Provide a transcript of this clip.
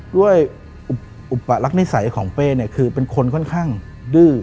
ด้วยอุปลักษณ์นิสัยของเป้คือเป็นคนค่อนข้างดื้อ